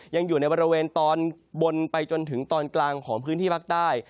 ยังอยู่ในบริเวณตอนบนไปจนถึงตอนกลางของพื้นที่ภาคใต้